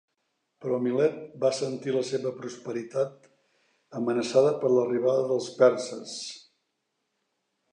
Però Milet va sentir la seva prosperitat amenaçada per l'arribada dels perses.